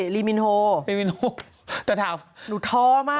ลีมินโฮแต่ถามหนูท้อมาก